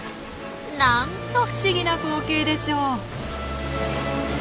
なんと不思議な光景でしょう。